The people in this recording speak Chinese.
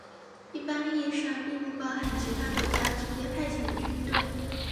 一般意义上并不包含其他国家直接派遣的军队。